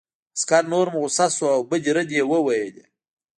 عسکر نور هم غوسه شو او بدې ردې یې وویلې